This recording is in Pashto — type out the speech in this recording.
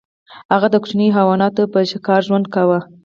هغه د کوچنیو حیواناتو په ښکار ژوند کاوه.